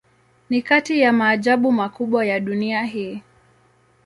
Ni kati ya maajabu makubwa ya dunia hii.